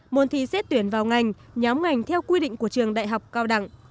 môn thi xét tuyển vào ngành nhóm ngành theo quy định của trường đại học cao đẳng